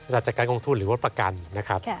ราชการกองทุนหรือว่าประกันนะครับ